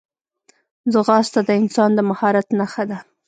ځغاسته د انسان د مهارت نښه ده